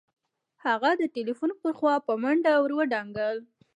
هغه د ټليفون پر خوا په منډه ور ودانګل.